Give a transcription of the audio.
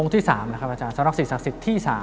องค์ที่๓นะครับอาจารย์สรรคศิษย์ศักดิ์สิทธิ์ที่๓